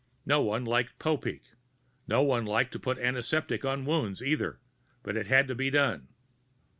No one liked Popeek. No one liked to put antiseptic on wounds, either, but it had to be done.